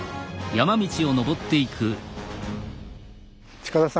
近田さん